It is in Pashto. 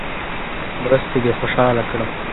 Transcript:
مرستې دې خوشاله کړم.